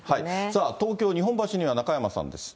東京・日本橋には中山さんです。